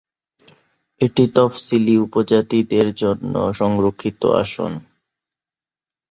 এটি তফসিলী উপজাতিদের জন্য সংরক্ষিত আসন।